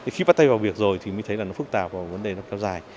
khi bắt tay vào việc rồi thì mới thấy là nó phức tạp và vấn đề nó khéo dài